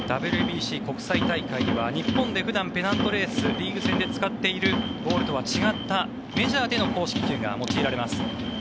ＷＢＣ、国際大会では日本で普段、ペナントレースリーグ戦で使っているボールとは違ったメジャーでの公式球が用いられます。